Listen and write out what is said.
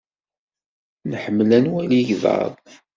Nḥemmel ad nwali igḍaḍ.